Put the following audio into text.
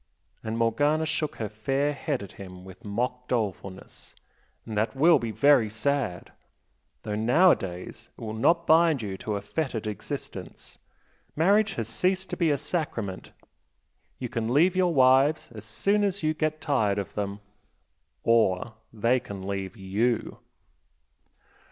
and Morgana shook her fair head at him with mock dolefulness "And that will be very sad! Though nowadays it will not bind you to a fettered existence. Marriage has ceased to be a sacrament, you can leave your wives as soon as you get tired of them, or they can leave YOU!"